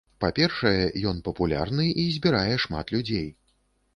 Па-першае, ён папулярны і збірае шмат людзей.